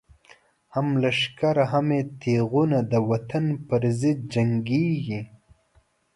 هم لښکر هم یی تیغونه، دوطن پر ضد جنګیږی